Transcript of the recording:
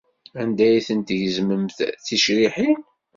Anda ay ten-tgezmemt d ticriḥin?